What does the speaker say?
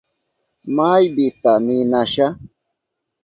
¿Maypita ninasha?